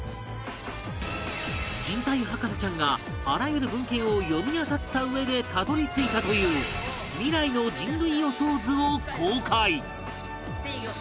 人体博士ちゃんがあらゆる文献を読み漁ったうえでたどり着いたという未来の人類予想図を公開